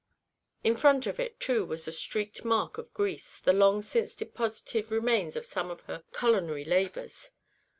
In front of it, too, was a streaked mark of grease, the long since deposited remains of some of her culinary labours.